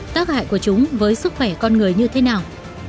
tác hại của chúng với sức khỏe con người như thế nào